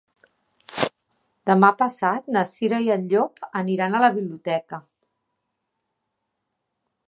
Demà passat na Cira i en Llop aniran a la biblioteca.